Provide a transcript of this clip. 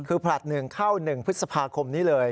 คือผลัด๑เข้า๑พฤษภาคมนี้เลย